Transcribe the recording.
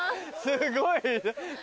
すごいね。